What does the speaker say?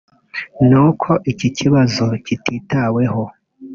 ni uko iki kibazo kititataweho